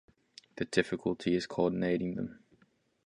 The difficulty is coordinating them.